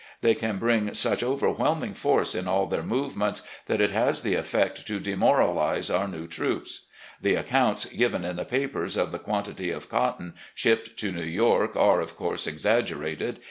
They can bring such overwhelming force in all their movements that it has the effect to demoralise our new troops. The accounts given in the papers of the quantity of cotton shipped to New York are, of course, exaggerated.